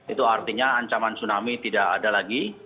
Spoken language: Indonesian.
itu artinya ancaman tsunami tidak ada lagi